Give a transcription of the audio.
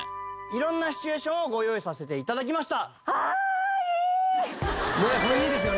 色んなシチュエーションをご用意させて頂きました。